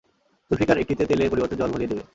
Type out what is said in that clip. জুলফিকার একটিতে তেলের পরিবর্তে জল ভরিয়ে দেবে।